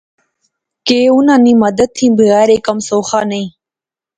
کہ انیں نی مدد تھی بغیر ایہہ کم سوخا نہسا